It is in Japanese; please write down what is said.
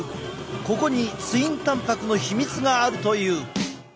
ここにツインたんぱくの秘密があるという。